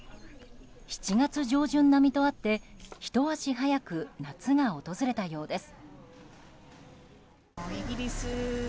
７月上旬並みとあってひと足早く夏が訪れたようです。